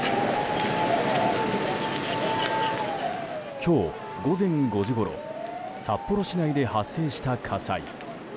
今日午前５時ごろ札幌市内で発生した火災。